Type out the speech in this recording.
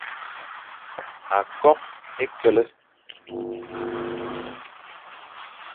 Akok h e kele,